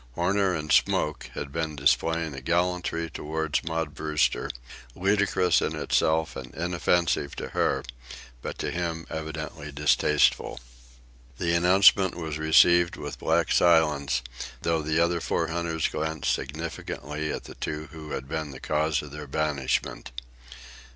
Horner and Smoke had been displaying a gallantry toward Maud Brewster, ludicrous in itself and inoffensive to her, but to him evidently distasteful. The announcement was received with black silence, though the other four hunters glanced significantly at the two who had been the cause of their banishment.